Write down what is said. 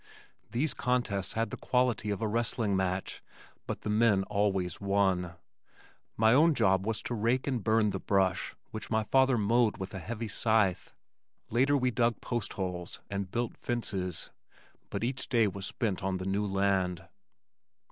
These contests had the quality of a wrestling match but the men always won. My own job was to rake and burn the brush which my father mowed with a heavy scythe. Later we dug postholes and built fences but each day was spent on the new land.